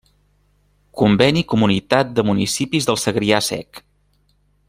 Conveni Comunitat de Municipis del Segrià Sec.